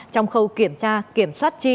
trong khâu kiểm tra kiểm soát chi